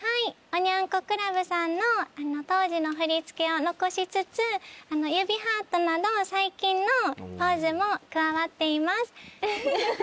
おニャン子クラブさんの当時の振り付けを残しつつ指ハートなど最近のポーズも加わっています。